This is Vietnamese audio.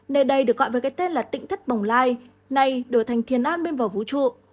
nơi đây được gọi với cái tên là tịnh thất bồng lai nay đổi thành thiền an bên vào vũ trụ